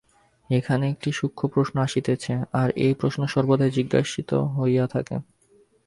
এখন একটি সূক্ষ্ম প্রশ্ন আসিতেছে, আর এই প্রশ্ন সর্বদাই জিজ্ঞাসিত হইয়া থাকে।